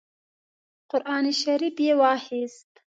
قران شریف یې واخیست.